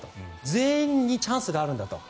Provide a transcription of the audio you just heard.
全員にチャンスがあるんだと。